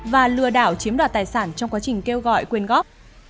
và lừa đảo chiếm đoạt tài sản trong quá trình kêu gọi quyên góp